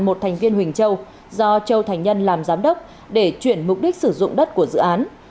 một thành viên huỳnh châu do châu thành nhân làm giám đốc để chuyển mục đích sử dụng đất của dự án